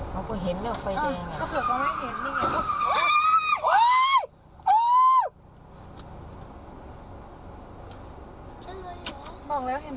เรามีกล้องไปเลย